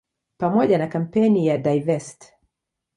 Pamoja na kampeni ya "Divest!